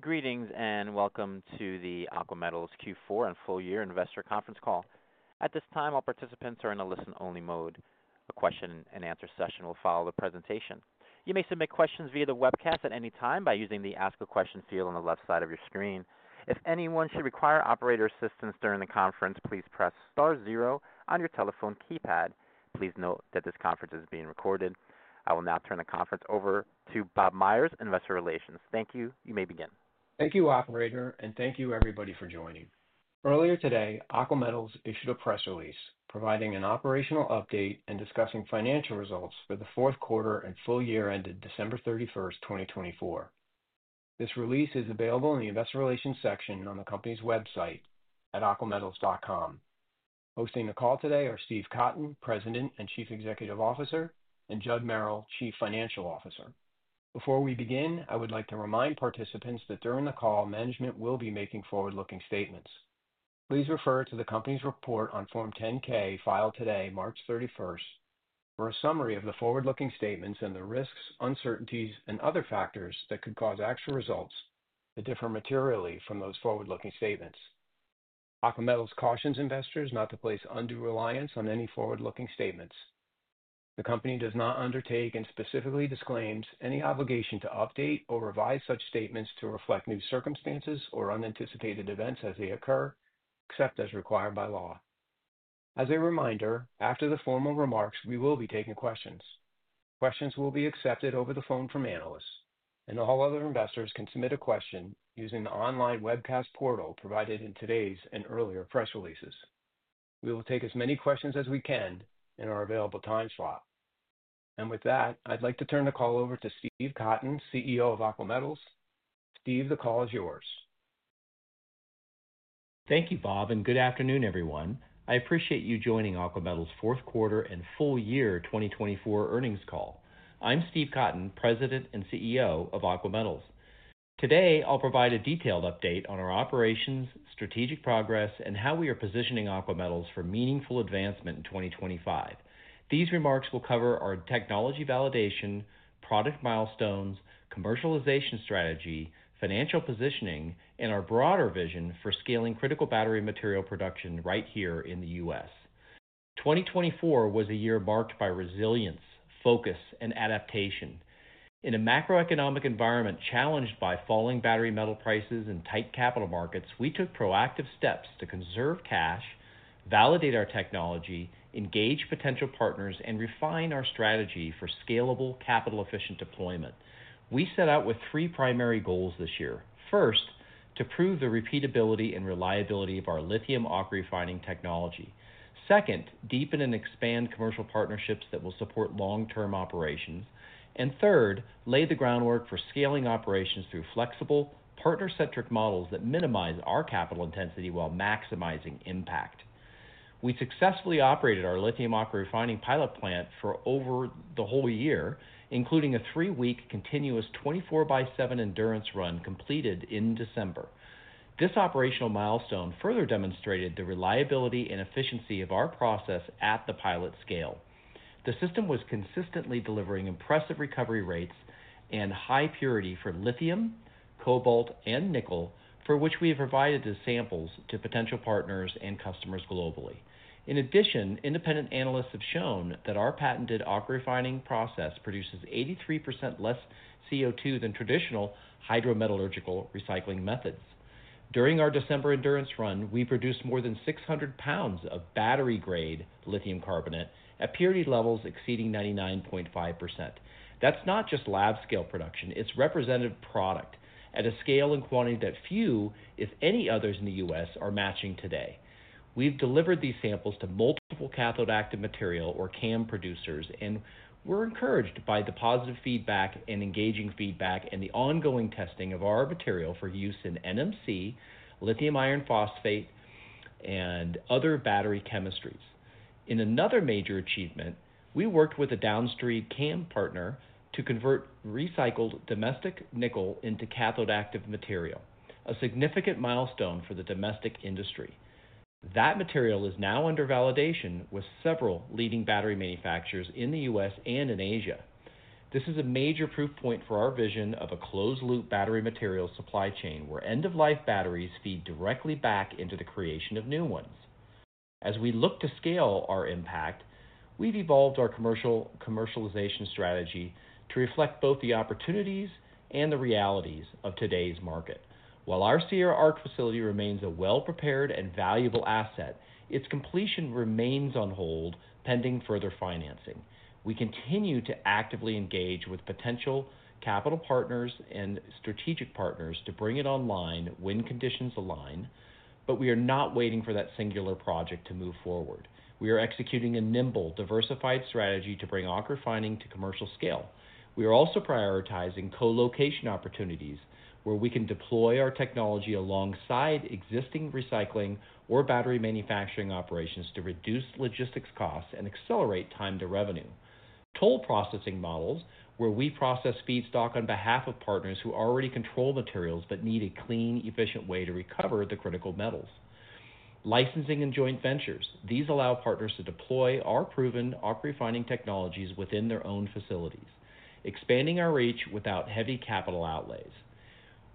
Greetings and welcome to the Aqua Metals Q4 and full-year investor conference call. At this time, all participants are in a listen-only mode. A question-and-answer session will follow the presentation. You may submit questions via the webcast at any time by using the Ask a Question field on the left side of your screen. If anyone should require operator assistance during the conference, please press star zero on your telephone keypad. Please note that this conference is being recorded. I will now turn the conference over to Bob Meyers, Investor Relations. Thank you. You may begin. Thank you, Operator, and thank you, everybody, for joining. Earlier today, Aqua Metals issued a press release providing an operational update and discussing financial results for the Q4 and full-year ended December 31, 2024. This release is available in the Investor Relations section on the company's website at aquametals.com. Hosting the call today are Steve Cotton, President and Chief Executive Officer, and Judd Merrill, Chief Financial Officer. Before we begin, I would like to remind participants that during the call, management will be making forward-looking statements. Please refer to the company's report on Form 10-K filed today, March 31, for a summary of the forward-looking statements and the risks, uncertainties, and other factors that could cause actual results that differ materially from those forward-looking statements. Aqua Metals cautions investors not to place undue reliance on any forward-looking statements. The company does not undertake and specifically disclaims any obligation to update or revise such statements to reflect new circumstances or unanticipated events as they occur, except as required by law. As a reminder, after the formal remarks, we will be taking questions. Questions will be accepted over the phone from analysts, and all other investors can submit a question using the online webcast portal provided in today's and earlier press releases. We will take as many questions as we can in our available time slot. With that, I'd like to turn the call over to Steve Cotton, CEO of Aqua Metals. Steve, the call is yours. Thank you, Bob, and good afternoon, everyone. I appreciate you joining Aqua Metals' Q4 and full-year 2024 earnings call. I'm Steve Cotton, President and CEO of Aqua Metals. Today, I'll provide a detailed update on our operations, strategic progress, and how we are positioning Aqua Metals for meaningful advancement in 2025. These remarks will cover our technology validation, product milestones, commercialization strategy, financial positioning, and our broader vision for scaling critical battery material production right here in the US. 2024 was a year marked by resilience, focus, and adaptation. In a macroeconomic environment challenged by falling battery metal prices and tight capital markets, we took proactive steps to conserve cash, validate our technology, engage potential partners, and refine our strategy for scalable, capital-efficient deployment. We set out with three primary goals this year. First, to prove the repeatability and reliability of our lithium AquaRefining technology. Second, deepen and expand commercial partnerships that will support long-term operations. Third, lay the groundwork for scaling operations through flexible, partner-centric models that minimize our capital intensity while maximizing impact. We successfully operated our lithium AquaRefining pilot plant for over the whole year, including a three-week continuous 24 by 7 endurance run completed in December. This operational milestone further demonstrated the reliability and efficiency of our process at the pilot scale. The system was consistently delivering impressive recovery rates and high purity for lithium, cobalt, and nickel, for which we have provided samples to potential partners and customers globally. In addition, independent analysts have shown that our patented AquaRefining process produces 83% less CO2 than traditional hydrometallurgical recycling methods. During our December endurance run, we produced more than 600 lbs of battery-grade lithium carbonate at purity levels exceeding 99.5%. That's not just lab-scale production. It's representative product at a scale and quantity that few, if any, others in the US are matching today. We've delivered these samples to multiple cathode-active material or CAM producers, and we're encouraged by the positive feedback and engaging feedback and the ongoing testing of our material for use in NMC, lithium iron phosphate, and other battery chemistries. In another major achievement, we worked with a downstream CAM partner to convert recycled domestic nickel into cathode-active material, a significant milestone for the domestic industry. That material is now under validation with several leading battery manufacturers in the US and in Asia. This is a major proof point for our vision of a closed-loop battery material supply chain where end-of-life batteries feed directly back into the creation of new ones. As we look to scale our impact, we've evolved our commercialization strategy to reflect both the opportunities and the realities of today's market. While our Sierra ARC facility remains a well-prepared and valuable asset, its completion remains on hold, pending further financing. We continue to actively engage with potential capital partners and strategic partners to bring it online when conditions align, but we are not waiting for that singular project to move forward. We are executing a nimble, diversified strategy to bring AquaRefining to commercial scale. We are also prioritizing co-location opportunities where we can deploy our technology alongside existing recycling or battery manufacturing operations to reduce logistics costs and accelerate time to revenue. Toll processing models, where we process feedstock on behalf of partners who already control materials but need a clean, efficient way to recover the critical metals. Licensing and joint ventures. These allow partners to deploy our proven AquaRefining technologies within their own facilities, expanding our reach without heavy capital outlays.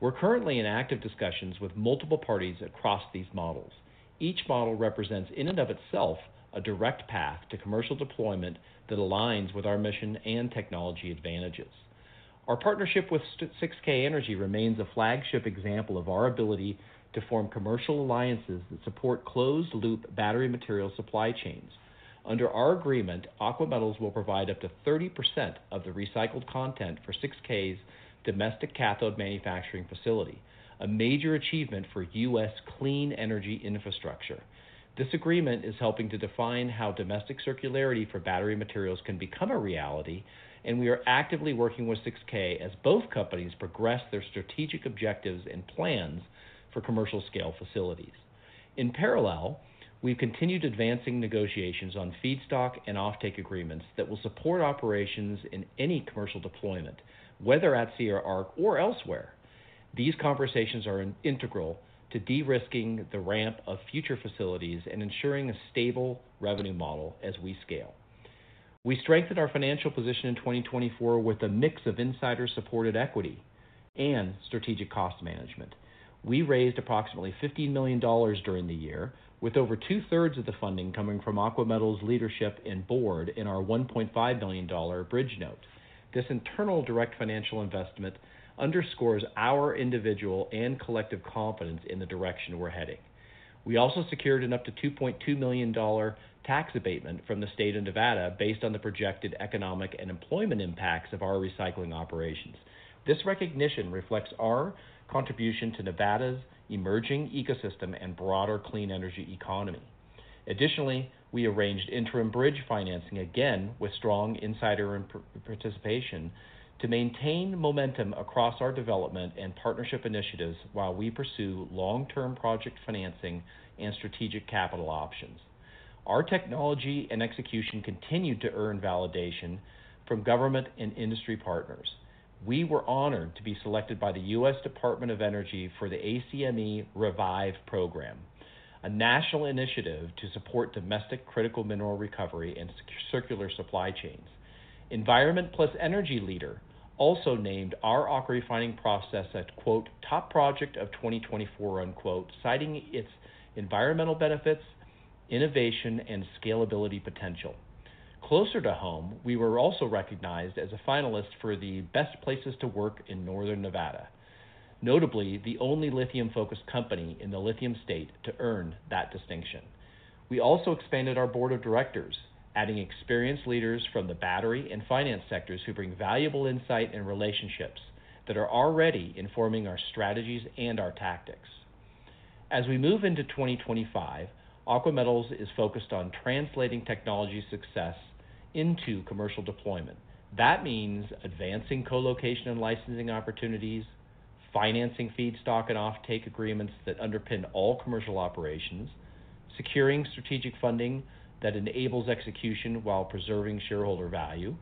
We're currently in active discussions with multiple parties across these models. Each model represents, in and of itself, a direct path to commercial deployment that aligns with our mission and technology advantages. Our partnership with 6K Energy remains a flagship example of our ability to form commercial alliances that support closed-loop battery material supply chains. Under our agreement, Aqua Metals will provide up to 30% of the recycled content for 6K's domestic cathode manufacturing facility, a major achievement for US clean energy infrastructure. This agreement is helping to define how domestic circularity for battery materials can become a reality, and we are actively working with 6K as both companies progress their strategic objectives and plans for commercial-scale facilities. In parallel, we've continued advancing negotiations on feedstock and offtake agreements that will support operations in any commercial deployment, whether at Sierra Arc or elsewhere. These conversations are integral to de-risking the ramp of future facilities and ensuring a stable revenue model as we scale. We strengthened our financial position in 2024 with a mix of insider-supported equity and strategic cost management. We raised approximately $15 million during the year, with over two-thirds of the funding coming from Aqua Metals' leadership and board in our $1.5 million bridge note. This internal direct financial investment underscores our individual and collective confidence in the direction we're heading. We also secured an up to $2.2 million tax abatement from the state of Nevada based on the projected economic and employment impacts of our recycling operations. This recognition reflects our contribution to Nevada's emerging ecosystem and broader clean energy economy. Additionally, we arranged interim bridge financing again with strong insider participation to maintain momentum across our development and partnership initiatives while we pursue long-term project financing and strategic capital options. Our technology and execution continued to earn validation from government and industry partners. We were honored to be selected by the U.S. Department of Energy for the ACME Revive program, a national initiative to support domestic critical mineral recovery and circular supply chains. Environment + Energy Leader also named our AquaRefining process a "top project of 2024," citing its environmental benefits, innovation, and scalability potential. Closer to home, we were also recognized as a finalist for the Best Places to Work in Northern Nevada, notably the only lithium-focused company in the lithium state to earn that distinction. We also expanded our board of directors, adding experienced leaders from the battery and finance sectors who bring valuable insight and relationships that are already informing our strategies and our tactics. As we move into 2025, Aqua Metals is focused on translating technology success into commercial deployment. That means advancing co-location and licensing opportunities, financing feedstock and offtake agreements that underpin all commercial operations, securing strategic funding that enables execution while preserving shareholder value,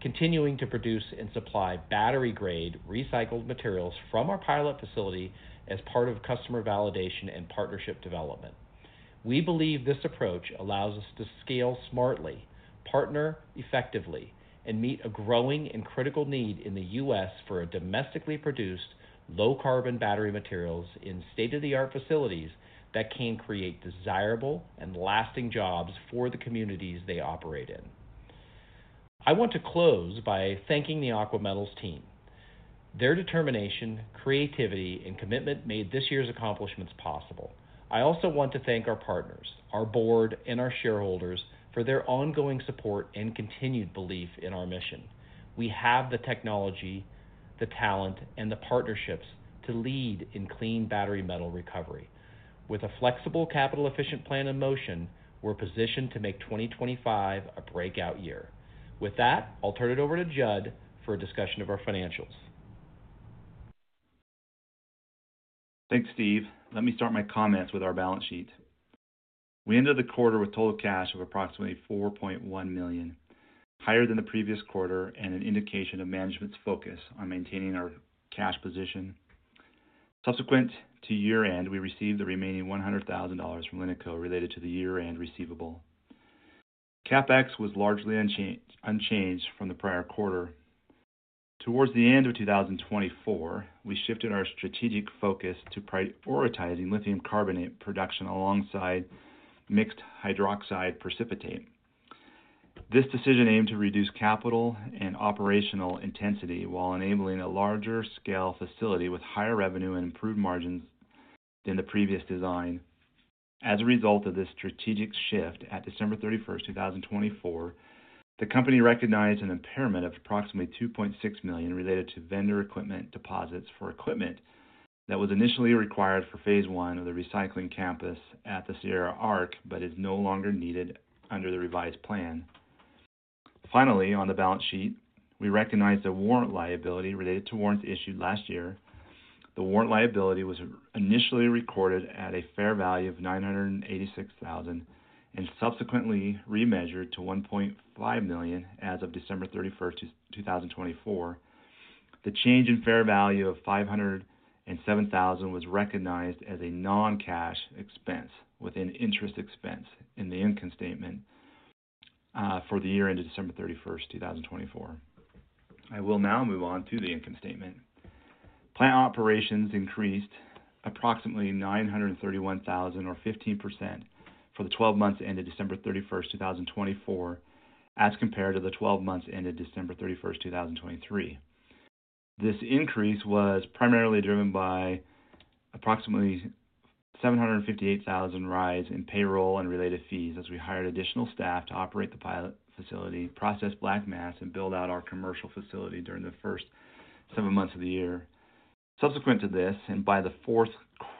continuing to produce and supply battery-grade recycled materials from our pilot facility as part of customer validation and partnership development. We believe this approach allows us to scale smartly, partner effectively, and meet a growing and critical need in the US for domestically produced low-carbon battery materials in state-of-the-art facilities that can create desirable and lasting jobs for the communities they operate in. I want to close by thanking the Aqua Metals team. Their determination, creativity, and commitment made this year's accomplishments possible. I also want to thank our partners, our board, and our shareholders for their ongoing support and continued belief in our mission. We have the technology, the talent, and the partnerships to lead in clean battery metal recovery. With a flexible capital-efficient plan in motion, we're positioned to make 2025 a breakout year. With that, I'll turn it over to Judd for a discussion of our financials. Thanks, Steve. Let me start my comments with our balance sheet. We ended the quarter with total cash of approximately $4.1 million, higher than the previous quarter and an indication of management's focus on maintaining our cash position. Subsequent to year-end, we received the remaining $100,000 from Li-Cycle related to the year-end receivable. CapEx was largely unchanged from the prior quarter. Towards the end of 2024, we shifted our strategic focus to prioritizing lithium carbonate production alongside mixed hydroxide precipitate. This decision aimed to reduce capital and operational intensity while enabling a larger-scale facility with higher revenue and improved margins than the previous design. As a result of this strategic shift, at December 31, 2024, the company recognized an impairment of approximately $2.6 million related to vendor equipment deposits for equipment that was initially required for phase one of the recycling campus at the Sierra Arc but is no longer needed under the revised plan. Finally, on the balance sheet, we recognized a warrant liability related to warrants issued last year. The warrant liability was initially recorded at a fair value of $986,000 and subsequently remeasured to $1.5 million as of December 31, 2024. The change in fair value of $507,000 was recognized as a non-cash expense with an interest expense in the income statement for the year ended December 31, 2024. I will now move on to the income statement. Plant operations increased approximately $931,000, or 15%, for the 12 months ended December 31, 2024, as compared to the 12 months ended December 31, 2023. This increase was primarily driven by approximately $758,000 rise in payroll and related fees as we hired additional staff to operate the pilot facility, process black mass, and build out our commercial facility during the first seven months of the year. Subsequent to this, and by the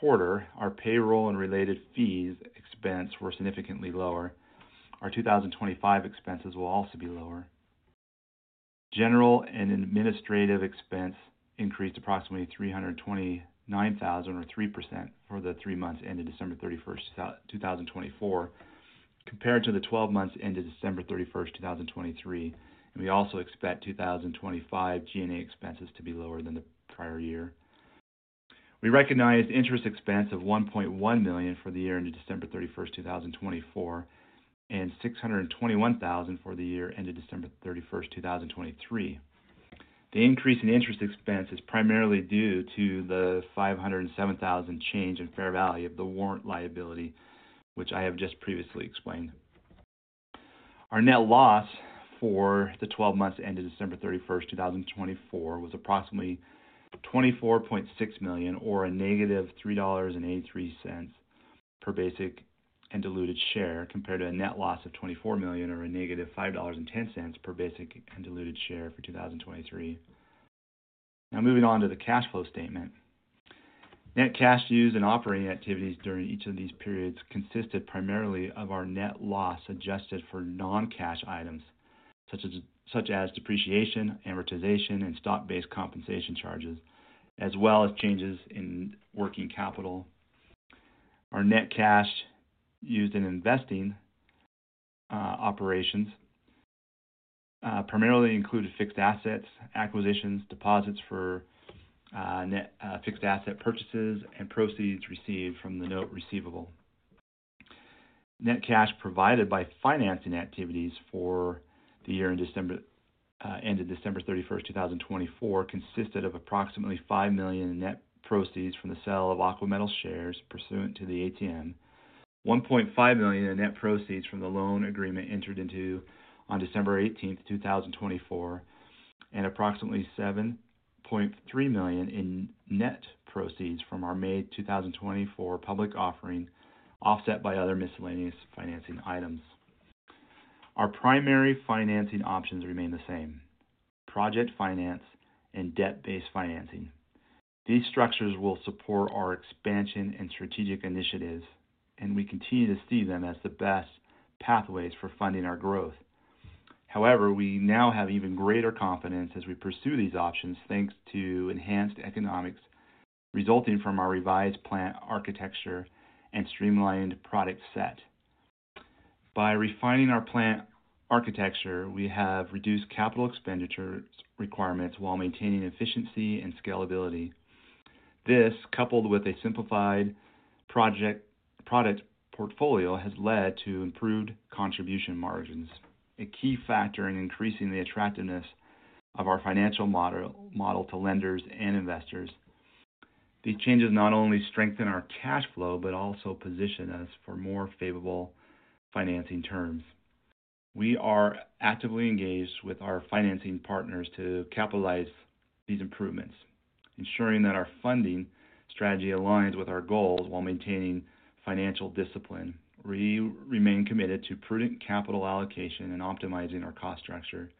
Q4, our payroll and related fees expense were significantly lower. Our 2025 expenses will also be lower. General and administrative expense increased approximately $329,000, or 3%, for the three months ended December 31, 2024, compared to the 12 months ended December 31, 2023, and we also expect 2025 G&A expenses to be lower than the prior year. We recognized interest expense of $1.1 million for the year ended December 31, 2024, and $621,000 for the year ended December 31, 2023. The increase in interest expense is primarily due to the $507,000 change in fair value of the warrant liability, which I have just previously explained. Our net loss for the 12 months ended December 31, 2024, was approximately $24.6 million, or a negative $3.83 per basic and diluted share, compared to a net loss of $24 million, or a negative $5.10 per basic and diluted share for 2023. Now, moving on to the cash flow statement. Net cash used in operating activities during each of these periods consisted primarily of our net loss adjusted for non-cash items such as depreciation, amortization, and stock-based compensation charges, as well as changes in working capital. Our net cash used in investing operations primarily included fixed assets, acquisitions, deposits for fixed asset purchases, and proceeds received from the note receivable. Net cash provided by financing activities for the year ended December 31, 2024, consisted of approximately $5 million in net proceeds from the sale of Aqua Metals shares pursuant to the ATM, $1.5 million in net proceeds from the loan agreement entered into on December 18, 2024, and approximately $7.3 million in net proceeds from our May 2024 public offering offset by other miscellaneous financing items. Our primary financing options remain the same: project finance and debt-based financing. These structures will support our expansion and strategic initiatives, and we continue to see them as the best pathways for funding our growth. However, we now have even greater confidence as we pursue these options thanks to enhanced economics resulting from our revised plant architecture and streamlined product set. By refining our plant architecture, we have reduced capital expenditure requirements while maintaining efficiency and scalability. This, coupled with a simplified project product portfolio, has led to improved contribution margins, a key factor in increasing the attractiveness of our financial model to lenders and investors. These changes not only strengthen our cash flow but also position us for more favorable financing terms. We are actively engaged with our financing partners to capitalize these improvements, ensuring that our funding strategy aligns with our goals while maintaining financial discipline. We remain committed to prudent capital allocation and optimizing our cost structure.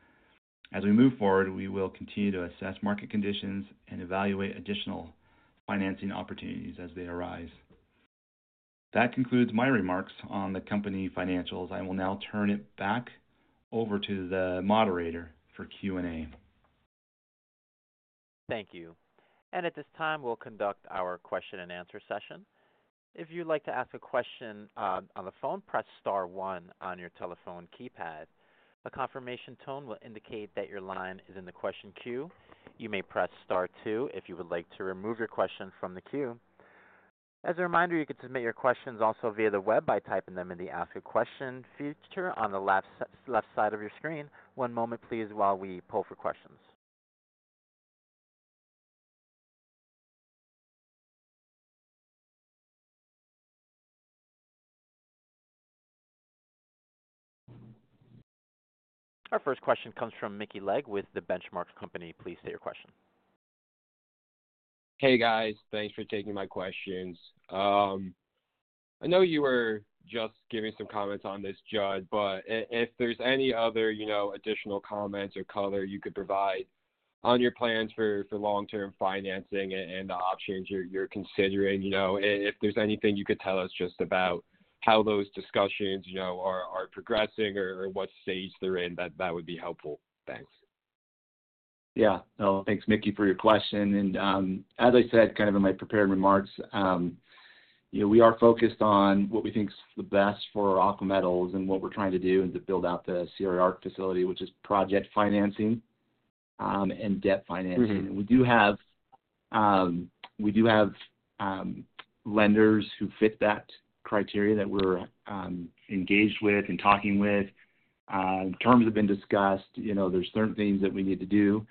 As we move forward, we will continue to assess market conditions and evaluate additional financing opportunities as they arise. That concludes my remarks on the company financials. I will now turn it back over to the moderator for Q&A. Thank you. At this time, we'll conduct our question-and-answer session. If you'd like to ask a question on the phone, press Star 1 on your telephone keypad. A confirmation tone will indicate that your line is in the question queue. You may press Star 2 if you would like to remove your question from the queue. As a reminder, you can submit your questions also via the web by typing them in the Ask a Question feature on the left side of your screen. One moment, please, while we pull for questions. Our first question comes from Mickey Legg with The Benchmark Company. Please state your question. Hey, guys. Thanks for taking my questions. I know you were just giving some comments on this, Judd, but if there's any other additional comments or color you could provide on your plans for long-term financing and the options you're considering, if there's anything you could tell us just about how those discussions are progressing or what stage they're in, that would be helpful. Thanks. Yeah. No, thanks, Mickey, for your question. As I said, kind of in my prepared remarks, we are focused on what we think is the best for Aqua Metals and what we're trying to do to build out the Sierra Arc facility, which is project financing and debt financing. We do have lenders who fit that criteria that we're engaged with and talking with. Terms have been discussed. There are certain things that we need to do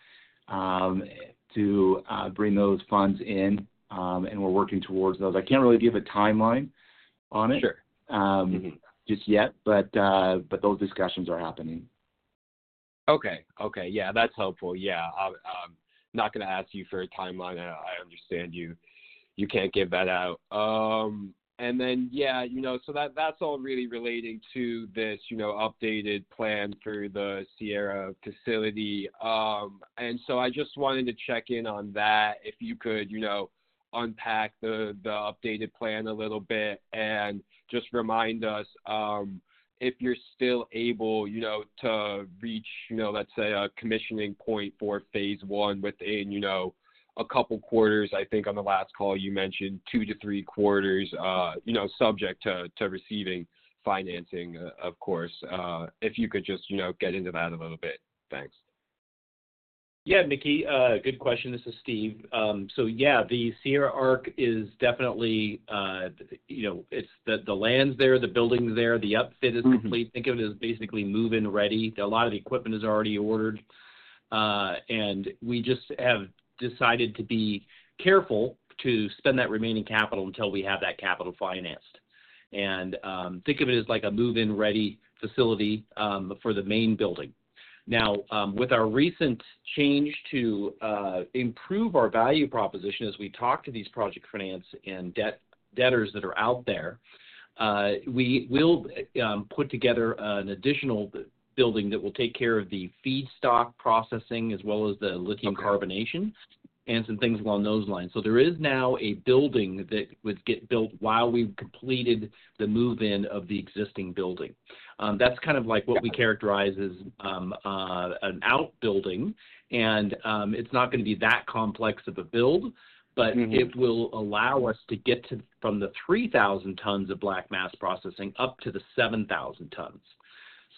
to bring those funds in, and we're working towards those. I can't really give a timeline on it just yet, but those discussions are happening. Okay. Okay. Yeah, that's helpful. Yeah. I'm not going to ask you for a timeline. I understand you can't give that out. Yeah, that's all really relating to this updated plan for the Sierra Arc facility. I just wanted to check in on that, if you could unpack the updated plan a little bit and just remind us if you're still able to reach, let's say, a commissioning point for phase one within a couple of quarters. I think on the last call, you mentioned two to three quarters subject to receiving financing, of course. If you could just get into that a little bit. Thanks. Yeah, Mickey. Good question. This is Steve. Yeah, the Sierra Arc is definitely there, the land's there, the building's there, the upfit is complete. Think of it as basically move-in ready. A lot of the equipment is already ordered. We just have decided to be careful to spend that remaining capital until we have that capital financed. Think of it as like a move-in ready facility for the main building. Now, with our recent change to improve our value proposition as we talk to these project finance and debtors that are out there, we will put together an additional building that will take care of the feedstock processing as well as the lithium carbonation and some things along those lines. There is now a building that would get built while we've completed the move-in of the existing building. That's kind of like what we characterize as an outbuilding. It's not going to be that complex of a build, but it will allow us to get from the 3,000 tons of black mass processing up to the 7,000 tons.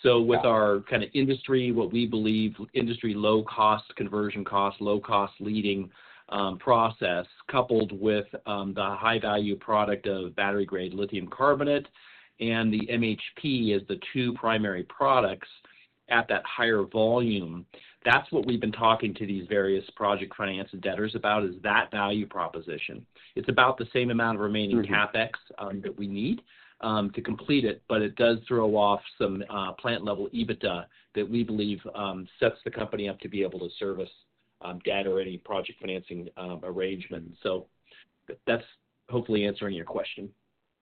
With our kind of industry, what we believe is industry low-cost conversion cost, low-cost leading process, coupled with the high-value product of battery-grade lithium carbonate and the MHP as the two primary products at that higher volume, that's what we've been talking to these various project finance and debtors about is that value proposition. It's about the same amount of remaining CapEx that we need to complete it, but it does throw off some plant-level EBITDA that we believe sets the company up to be able to service debt or any project financing arrangement. That's hopefully answering your question.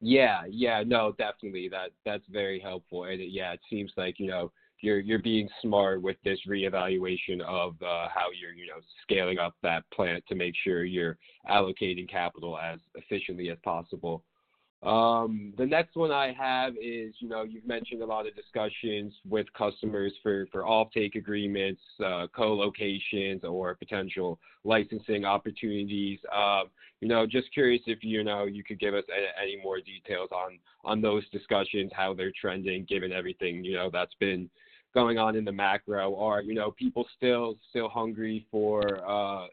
Yeah. Yeah. No, definitely. That's very helpful. Yeah, it seems like you're being smart with this reevaluation of how you're scaling up that plant to make sure you're allocating capital as efficiently as possible. The next one I have is you've mentioned a lot of discussions with customers for offtake agreements, co-locations, or potential licensing opportunities. Just curious if you could give us any more details on those discussions, how they're trending given everything that's been going on in the macro. Are people still hungry for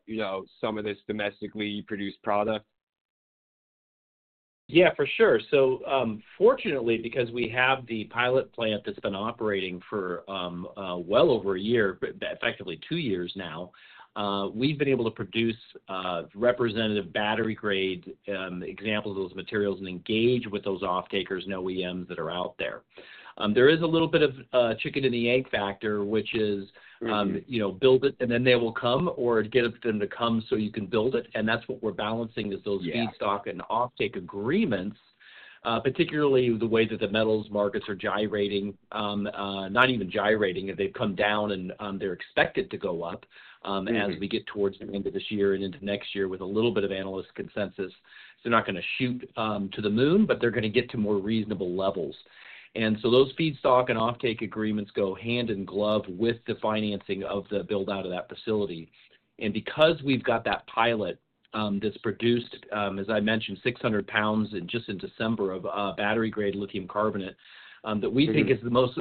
some of this domestically produced product? Yeah, for sure. Fortunately, because we have the pilot plant that's been operating for well over a year, effectively two years now, we've been able to produce representative battery-grade examples of those materials and engage with those offtakers, OEMs that are out there. There is a little bit of chicken and the egg factor, which is build it, and then they will come or get them to come so you can build it. That's what we're balancing is those feedstock and offtake agreements, particularly the way that the metals markets are gyrating. Not even gyrating. They've come down, and they're expected to go up as we get towards the end of this year and into next year with a little bit of analyst consensus. They're not going to shoot to the moon, but they're going to get to more reasonable levels. Those feedstock and offtake agreements go hand in glove with the financing of the build-out of that facility. Because we've got that pilot that's produced, as I mentioned, 600 lbs just in December of battery-grade lithium carbonate that we think is the most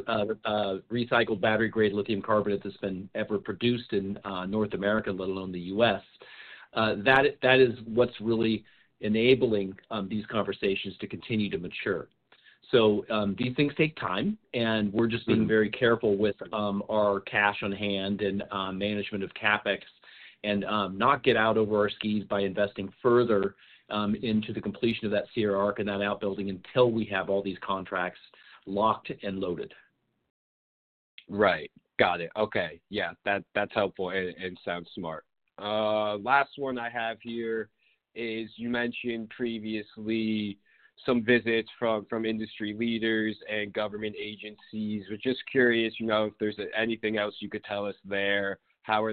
recycled battery-grade lithium carbonate that's been ever produced in North America, let alone the U.S., that is what's really enabling these conversations to continue to mature. These things take time, and we're just being very careful with our cash on hand and management of CapEx and not get out over our skis by investing further into the completion of that Sierra Arc and that outbuilding until we have all these contracts locked and loaded. Right. Got it. Okay. Yeah. That's helpful and sounds smart. Last one I have here is you mentioned previously some visits from industry leaders and government agencies. We're just curious if there's anything else you could tell us there. How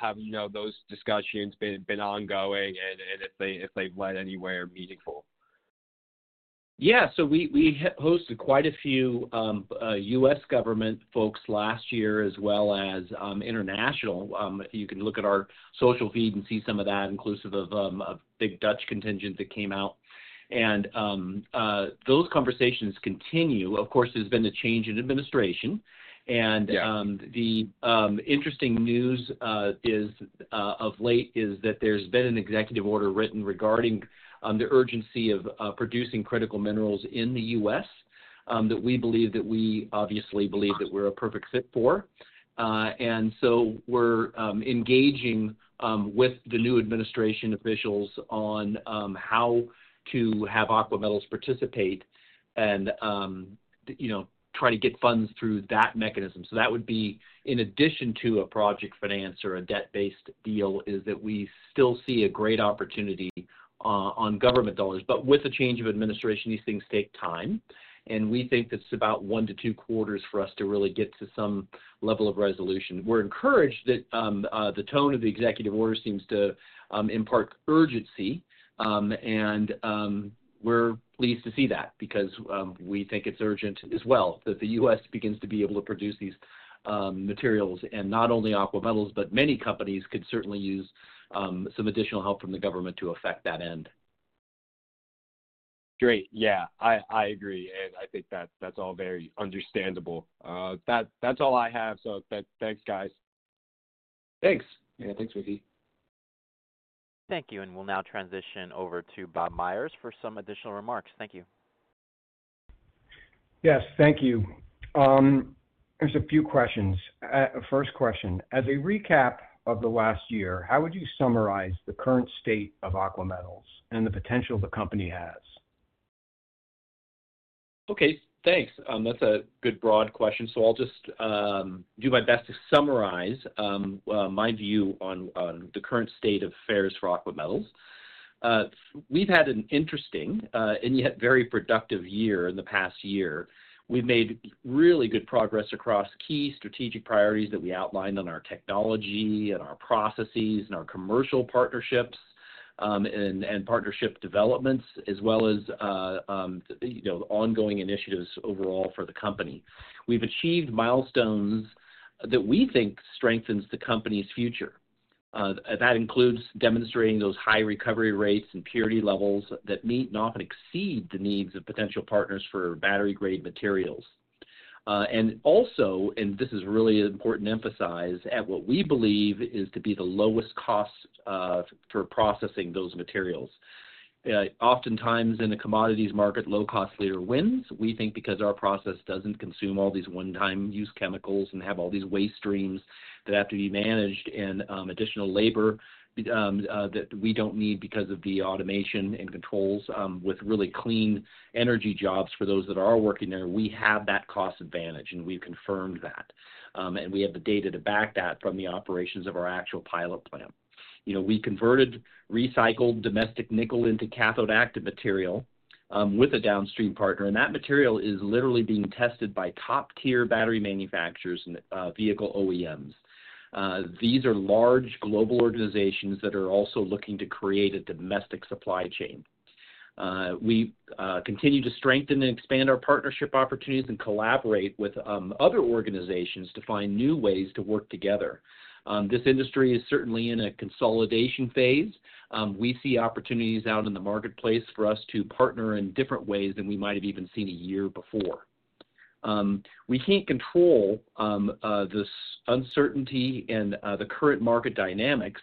have those discussions been ongoing and if they've led anywhere meaningful? Yeah. We hosted quite a few US government folks last year as well as international. You can look at our social feed and see some of that, inclusive of a big Dutch contingent that came out. Those conversations continue. Of course, there has been a change in administration. The interesting news of late is that there has been an executive order written regarding the urgency of producing critical minerals in the US that we believe we are a perfect fit for. We are engaging with the new administration officials on how to have Aqua Metals participate and try to get funds through that mechanism. That would be, in addition to a project finance or a debt-based deal, we still see a great opportunity on government dollars. With the change of administration, these things take time. We think that's about one to two quarters for us to really get to some level of resolution. We're encouraged that the tone of the executive order seems to impart urgency. We're pleased to see that because we think it's urgent as well that the U.S. begins to be able to produce these materials. Not only Aqua Metals, but many companies could certainly use some additional help from the government to affect that end. Great. Yeah. I agree. I think that's all very understandable. That's all I have. Thanks, guys. Thanks. Yeah. Thanks, Mickey. Thank you. We will now transition over to Bob Meyers for some additional remarks. Thank you. Yes. Thank you. There's a few questions. First question. As a recap of the last year, how would you summarize the current state of Aqua Metals and the potential the company has? Okay. Thanks. That's a good broad question. I'll just do my best to summarize my view on the current state of affairs for Aqua Metals. We've had an interesting and yet very productive year in the past year. We've made really good progress across key strategic priorities that we outlined on our technology and our processes and our commercial partnerships and partnership developments, as well as ongoing initiatives overall for the company. We've achieved milestones that we think strengthens the company's future. That includes demonstrating those high recovery rates and purity levels that meet and often exceed the needs of potential partners for battery-grade materials. Also, and this is really important to emphasize, at what we believe is to be the lowest cost for processing those materials. Oftentimes, in the commodities market, low-cost later wins. We think because our process doesn't consume all these one-time use chemicals and have all these waste streams that have to be managed and additional labor that we don't need because of the automation and controls with really clean energy jobs for those that are working there, we have that cost advantage, and we've confirmed that. We have the data to back that from the operations of our actual pilot plant. We converted recycled domestic nickel into cathode-active material with a downstream partner. That material is literally being tested by top-tier battery manufacturers and vehicle OEMs. These are large global organizations that are also looking to create a domestic supply chain. We continue to strengthen and expand our partnership opportunities and collaborate with other organizations to find new ways to work together. This industry is certainly in a consolidation phase. We see opportunities out in the marketplace for us to partner in different ways than we might have even seen a year before. We can't control this uncertainty and the current market dynamics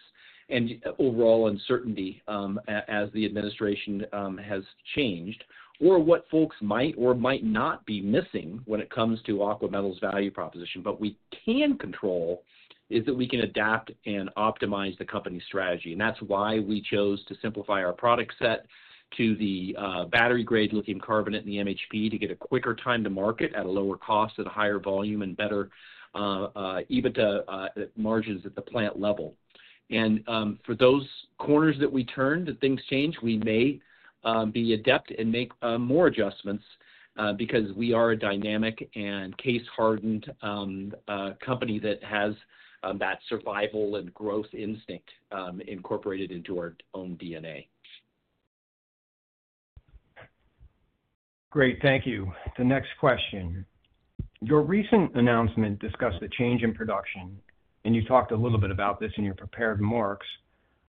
and overall uncertainty as the administration has changed or what folks might or might not be missing when it comes to Aqua Metals' value proposition. What we can control is that we can adapt and optimize the company's strategy. That is why we chose to simplify our product set to the battery-grade lithium carbonate and the MHP to get a quicker time to market at a lower cost at a higher volume and better EBITDA margins at the plant level. For those corners that we turn that things change, we may be adept and make more adjustments because we are a dynamic and case-hardened company that has that survival and growth instinct incorporated into our own DNA. Great. Thank you. The next question. Your recent announcement discussed the change in production, and you talked a little bit about this in your prepared remarks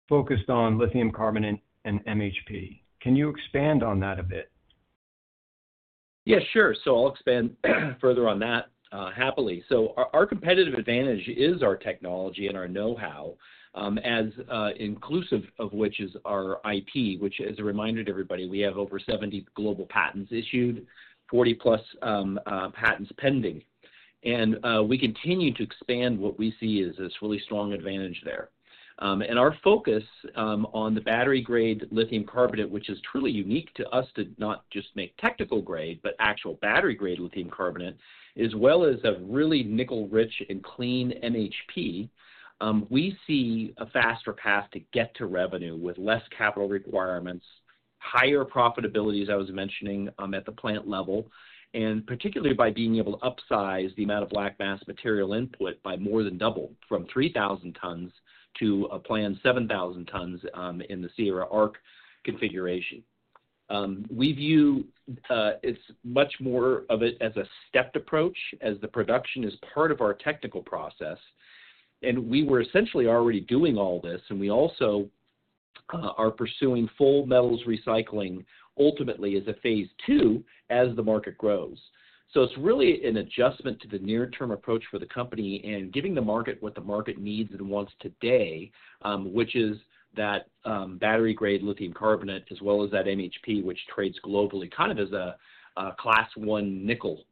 focused on lithium carbonate and MHP. Can you expand on that a bit? Yeah, sure. I'll expand further on that happily. Our competitive advantage is our technology and our know-how, as inclusive of which is our IP, which, as a reminder to everybody, we have over 70 global patents issued, 40-plus patents pending. We continue to expand what we see as this really strong advantage there. Our focus on the battery-grade lithium carbonate, which is truly unique to us to not just make technical grade, but actual battery-grade lithium carbonate, as well as a really nickel-rich and clean MHP, we see a faster path to get to revenue with less capital requirements, higher profitability, as I was mentioning, at the plant level, and particularly by being able to upsize the amount of black mass material input by more than double from 3,000 tons to a planned 7,000 tons in the Sierra Arc configuration. We view it's much more of it as a stepped approach as the production is part of our technical process. We were essentially already doing all this, and we also are pursuing full metals recycling ultimately as a phase two as the market grows. It is really an adjustment to the near-term approach for the company and giving the market what the market needs and wants today, which is that battery-grade lithium carbonate as well as that MHP, which trades globally kind of as a class one nickel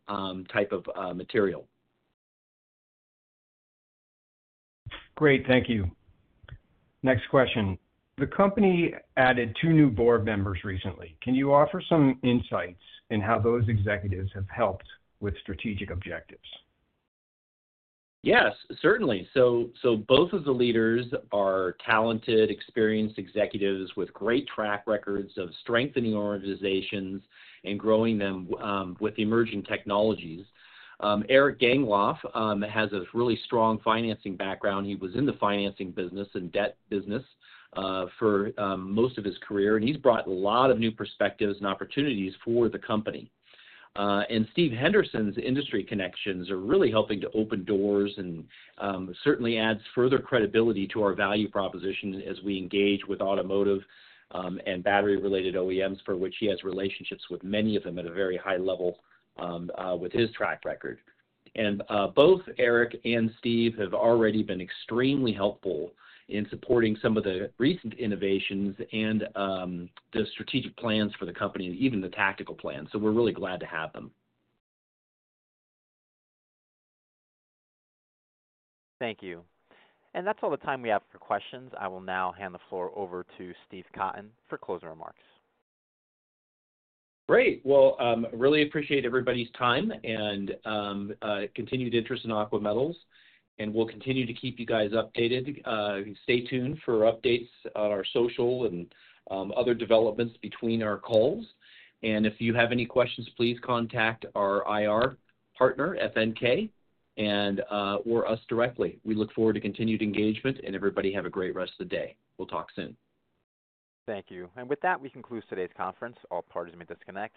type of material. Great. Thank you. Next question. The company added two new board members recently. Can you offer some insights in how those executives have helped with strategic objectives? Yes, certainly. Both of the leaders are talented, experienced executives with great track records of strengthening organizations and growing them with emerging technologies. Eric Gangloff has a really strong financing background. He was in the financing business and debt business for most of his career. He has brought a lot of new perspectives and opportunities for the company. Steve Henderson's industry connections are really helping to open doors and certainly add further credibility to our value proposition as we engage with automotive and battery-related OEMs, for which he has relationships with many of them at a very high level with his track record. Both Eric and Steve have already been extremely helpful in supporting some of the recent innovations and the strategic plans for the company, even the tactical plans. We are really glad to have them. Thank you. That is all the time we have for questions. I will now hand the floor over to Steve Cotton for closing remarks. Great. I really appreciate everybody's time and continued interest in Aqua Metals. We'll continue to keep you guys updated. Stay tuned for updates on our social and other developments between our calls. If you have any questions, please contact our IR partner, FNK, or us directly. We look forward to continued engagement. Everybody have a great rest of the day. We'll talk soon. Thank you. With that, we conclude today's conference. All parties may disconnect.